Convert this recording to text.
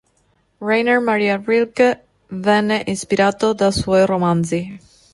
Rainer Maria Rilke venne ispirato da suoi romanzi.